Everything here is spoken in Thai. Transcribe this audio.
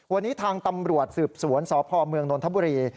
วันนี้ทางตำรวจสืบสวนสพเมืองนนทบุรี